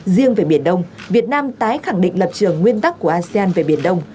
riêng về biển đông việt nam tái khẳng định lập trường nguyên tắc của asean về biển đông